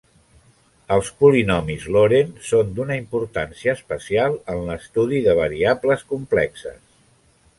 Els polinomis Laurent són d'una importància especial en l'estudi de variables complexes.